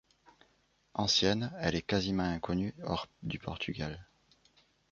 Ancienne, elle est quasiment inconnue hors du Portugal.